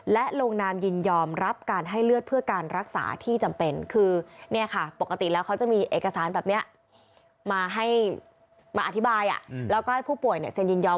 และลงนามยินยอมรับการให้เลือดเพื่อการรักษาที่จำเป็นคือเนี่ยค่ะปกติแล้วเขาจะมีเอกสารแบบนี้มาให้มาอธิบายแล้วก็ให้ผู้ป่วยเนี่ยเซ็นยินยอม